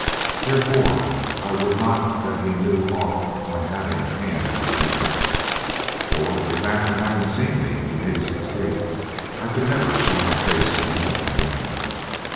Therefore I would not that he knew aught of my having a hand in this matter, for if after having seen me he made his escape I could never show my face in England again.